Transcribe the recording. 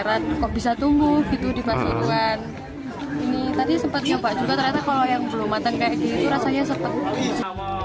ternyata kalau yang belum matang kayak gini itu rasanya setengah